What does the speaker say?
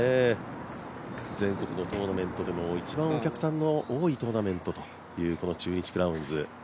全国のトーナメントでも一番お客さんの多いトーナメントというこの中日クラウンズ。